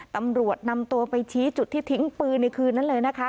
ตำรวจนำตัวไปชี้จุดที่ทิ้งปืนในคืนนั้นเลยนะคะ